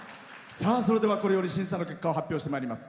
それでは、これより審査の結果を発表してまいります。